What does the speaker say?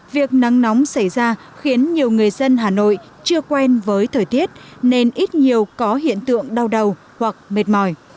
việc nắng nóng xảy ra khiến nhiều người dân hà nội chưa quen với thời tiết nên ít nhiều có hiện tượng đau đầu hoặc mệt mỏi